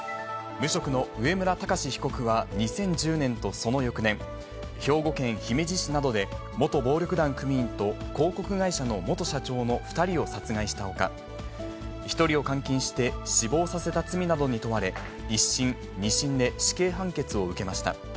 無職の上村隆被告は２０１０年とその翌年、兵庫県姫路市などで、元暴力団組員と広告会社の元社長の２人を殺害したほか、１人を監禁して死亡させた罪などに問われ、１審、２審で死刑判決を受けました。